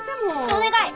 お願い！